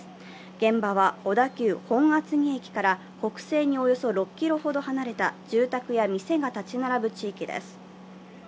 現場は小田急本厚木駅から北西におよそ６ｋｍほど離れた住宅や店が建ち並ぶ地域です。